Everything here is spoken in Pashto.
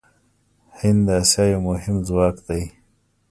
هند د اسیا یو مهم ځواک دی.